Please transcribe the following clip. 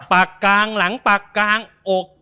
ปากกลางหลังปากกลางอก